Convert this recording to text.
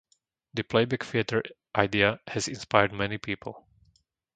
The Playback Theatre idea has inspired many people.